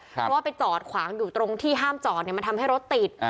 เพราะว่าไปจอดขวางอยู่ตรงที่ห้ามจอดมันทำให้รถติด